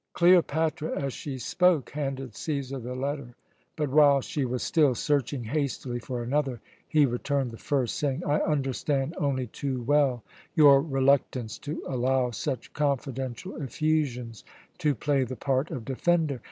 '" Cleopatra, as she spoke, handed Cæsar the letter. But while she was still searching hastily for another he returned the first, saying: "I understand only too well your reluctance to allow such confidential effusions to play the part of defender.